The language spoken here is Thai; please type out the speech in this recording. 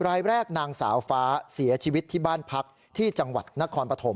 รายแรกนางสาวฟ้าเสียชีวิตที่บ้านพักที่จังหวัดนครปฐม